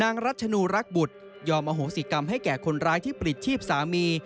รัชนูรักบุตรยอมอโหสิกรรมให้แก่คนร้ายที่ปลิดชีพสามี